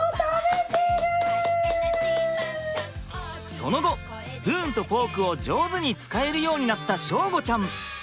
その後スプーンとフォークを上手に使えるようになった祥吾ちゃん。